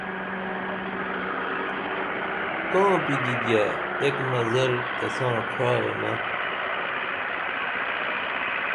کانپی گیگے ایک نظر تساں ڇھارنہ